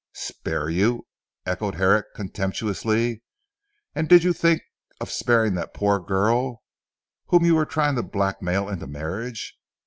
"Spare you!" echoed Herrick contemptuously, "and did you think of sparing that poor girl, whom you were trying to blackmail into marriage!